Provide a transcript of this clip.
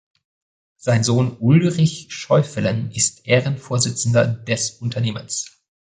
Sein Sohn Ulrich Scheufelen ist Ehrenvorsitzender des Unternehmens.